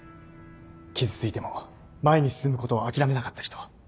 傷ついても前に進むことを諦めなかった人。